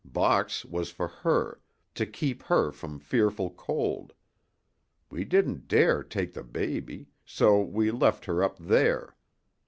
Box was for her to keep her from fearful cold. We didn't dare take the baby so we left her up there.